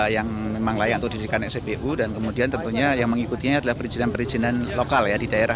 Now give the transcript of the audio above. yang memang layak untuk didirikan spbu dan kemudian tentunya yang mengikutinya adalah perizinan perizinan lokal ya di daerah